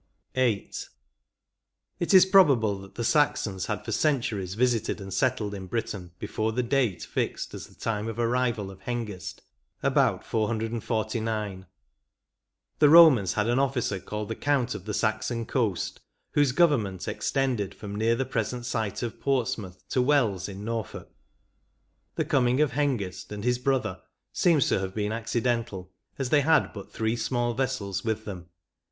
16 VIII. It is probable that the Saxons had for centuries visited and settled in Britain before the date fixed as the time of the arrival of Hengist, about 449. The Romans had an officer called the Count of the Saxon Coast, whose Government extended from near the present site of Portsmouth to Wells in Norfolk. The coming of Hengist and his brother seems to have been accidental, as they had but three small vessels with them.